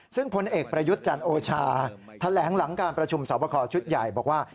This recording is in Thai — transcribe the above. ซึ่งพลเอกประยุทธ์จันทร์โอชาแถลงหลังการประชุมสอบคอชุดใหญ่บอกว่า